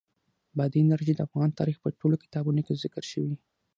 بادي انرژي د افغان تاریخ په ټولو کتابونو کې ذکر شوې.